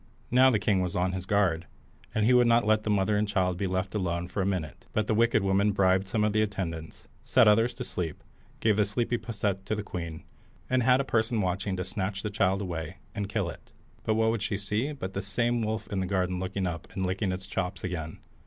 Now the king was on his guard, and he would not let the mother and child be left alone for a minute; but the wicked woman bribed some of the attendants, set others asleep, gave the sleepy posset to the queen, and had a person watching to snatch the child away, and kill it. But what should she see but the same wolf in the garden looking up and licking his chops again?